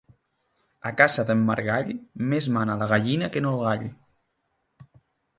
A casa d'en Margall més mana la gallina que no el gall.